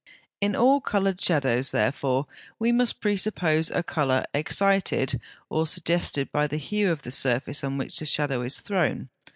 In all coloured shadows, therefore, we must presuppose a colour excited or suggested by the hue of the surface on which the shadow is thrown.